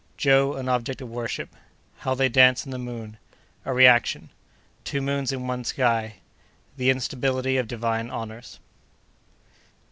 —Joe an Object of Worship.—How they Dance in the Moon.—A Reaction.—Two Moons in one Sky.—The Instability of Divine Honors.